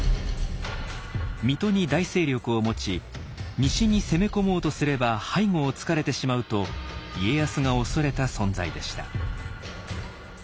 水戸に大勢力を持ち西に攻め込もうとすれば背後を突かれてしまうと家康が恐れた存在でした。